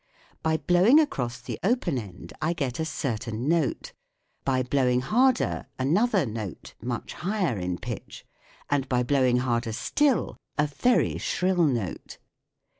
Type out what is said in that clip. By blowing across the open end I get a certain note, by blowing harder an other note much higher in pitch, and by blowing harder still a very shrill note.